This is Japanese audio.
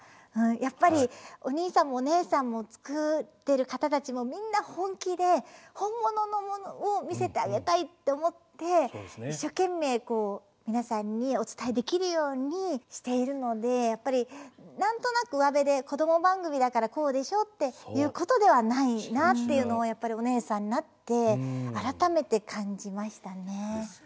やっぱりお兄さんもお姉さんも作ってる方たちもみんな本気で本物のものを見せてあげたいって思って一生懸命皆さんにお伝えできるようにしているのでやっぱり何となくうわべでこども番組だからこうでしょっていうことではないなっていうのをやっぱりお姉さんになって改めて感じましたね。